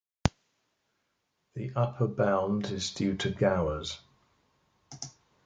The upper bound is due to Gowers.